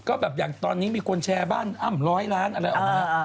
ก็แบบอย่างตอนนี้มีคนแชร์บ้านอ้ำร้อยล้านอะไรออกมา